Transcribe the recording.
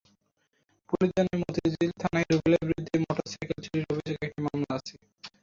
Police জানায়, মতিঝিল থানায় রুবেলের বিরুদ্ধে মোটরসাইকেল চুরির অভিযোগে একটি মামলা আছে।